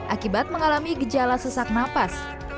akibat mengalami gejala sesak nafas